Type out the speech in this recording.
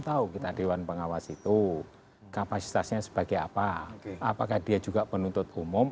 tahu kita dewan pengawas itu kapasitasnya sebagai apa apakah dia juga penuntut umum